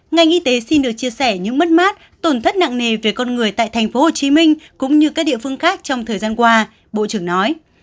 ngành y tế xin được chia sẻ những mất mát tổn thất nặng nề về con người tại tp hcm cũng như các địa phương khác trong thời gian qua bộ trưởng nói